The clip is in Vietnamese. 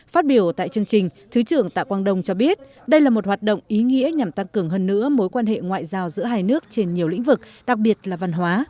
phát biểu tại chương trình thứ trưởng tạ quang đông cho biết đây là một hoạt động ý nghĩa nhằm tăng cường hơn nữa mối quan hệ ngoại giao giữa hai nước trên nhiều lĩnh vực đặc biệt là văn hóa